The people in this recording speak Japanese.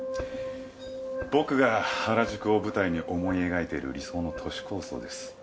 僕が原宿を舞台に思い描いている理想の都市構想です。